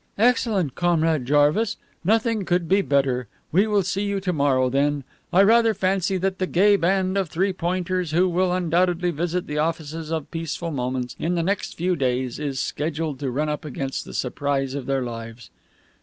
"Excellent, Comrade Jarvis. Nothing could be better. We will see you to morrow, then. I rather fancy that the gay band of Three Pointers who will undoubtedly visit the offices of Peaceful Moments in the next few days is scheduled to run up against the surprise of their lives."